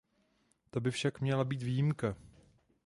To by však měla být výjimka.